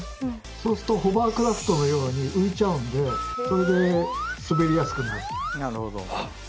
そうするとホーバークラフトのように浮いちゃうんでそれで滑りやすくなる。